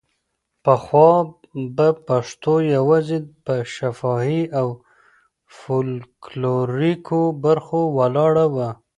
پخوا به پښتو یوازې په شفاهي او فولکلوریکو برخو ولاړه وه.